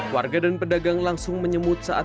warga dan pedagang langsung menyemut saat